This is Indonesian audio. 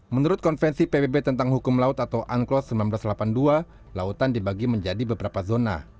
menurut konvensi pbb tentang hukum laut atau anklos seribu sembilan ratus delapan puluh dua lautan dibagi menjadi beberapa zona